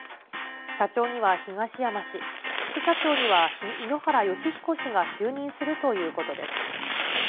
社長には東山氏、副社長には井ノ原快彦氏が就任するということです。